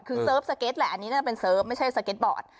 คือเซิร์ฟสเก็ตแหละอันนี้น่าจะเป็นเซิร์ฟไม่ใช่สเก็ตบอร์ด